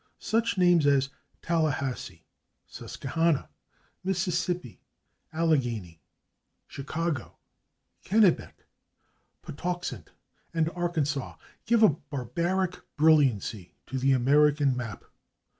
Such names as /Tallahassee/, /Susquehanna/, /Mississippi/, /Allegheny/, /Chicago/, /Kennebec/, /Patuxent/ and /Arkansas/ give a barbaric brilliancy to the American map.